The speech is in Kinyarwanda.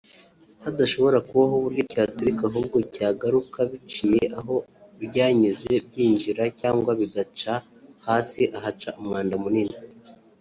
hadashobora kubaho uburyo cyaturika ahubwo byagaruka biciye aho byanyuze byinjira cyangwa bigaca hasi ahaca umwanda munini